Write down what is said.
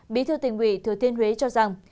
bí thư tình quỷ thừa thiên huế cho rằng